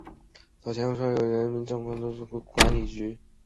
早先曾设有中国人民政治协商会议全国委员会办公厅行政管理局。